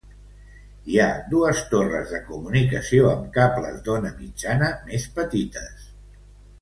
A Lakihegy hi ha dues torres de comunicació amb cables d'ona mitjana més petites.